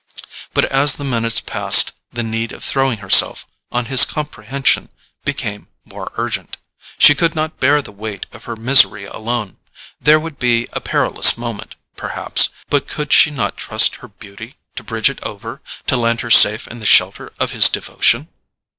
But as the minutes passed the need of throwing herself on his comprehension became more urgent: she could not bear the weight of her misery alone. There would be a perilous moment, perhaps: but could she not trust to her beauty to bridge it over, to land her safe in the shelter of his devotion?